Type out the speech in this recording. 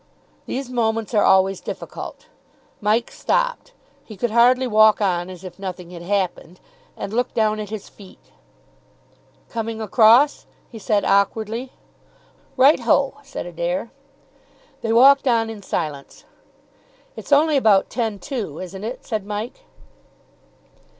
These moments are always difficult. Mike stopped he could hardly walk on as if nothing had happened and looked down at his feet. "Coming across?" he said awkwardly. "Right ho!" said Adair. They walked on in silence. "It's only about ten to, isn't it?" said Mike.